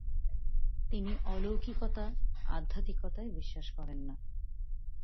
তিনি অলৌকিকতা, আধ্যাত্বিকতায় বিশ্বাস করেন না।